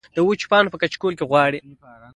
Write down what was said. د وچو پاڼو پۀ کچکول کې غواړي